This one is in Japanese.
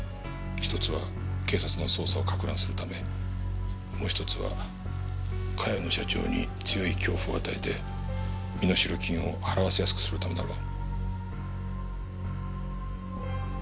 一つは警察の捜査をかく乱するためもう一つは茅野社長に強い恐怖を与えて身代金を払わせやすくするためだろう。